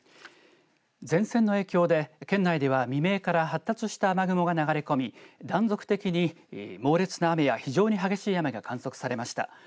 前線の影響で県内では未明から発達した雨雲が流れ込み断続的に猛烈な雨や非常に激しい雨が観測されました。